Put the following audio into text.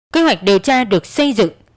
kế hoạch điều tra được xây dựng